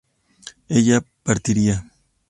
ella partiría